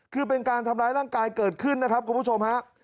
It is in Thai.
คือเป็นการทำร้ายร่างกายเกิดขึ้นนะครับคุณผู้ชมฮะ